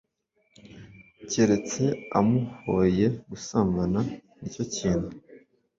keretse amuhoye gusambana' ni cyo kintu